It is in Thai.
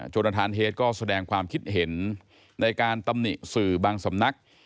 จนทานเฮดก็แสดงความคิดเห็นในการตำหนิสื่อบางสำนัก